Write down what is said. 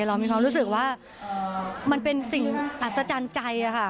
เรามีความรู้สึกว่ามันเป็นสิ่งอัศจรรย์ใจค่ะ